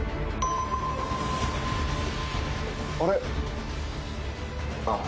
あれ⁉